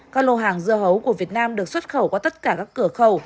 các lô hàng dưa hấu của việt nam được xuất khẩu qua tất cả các cửa khẩu